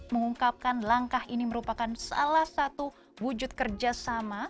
mengungkapkan langkah ini merupakan salah satu wujud kerjasama